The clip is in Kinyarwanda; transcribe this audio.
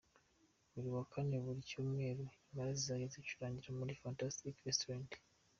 Buri wa kane wa buri Cyumweru Impala zizajya zicurangira muri Fantastic Restaurant.